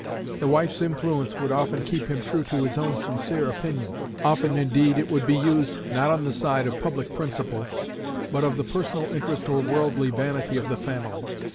The wife's influence would often keep him true to his own sincere opinion. Often, indeed, it would be used, not on the side of public principle, but of the personal interest or worldly vanity of the family.